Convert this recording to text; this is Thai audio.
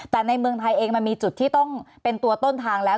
แต่ในเมืองไทยเองมันมีจุดที่ต้องเป็นตัวต้นทางแล้ว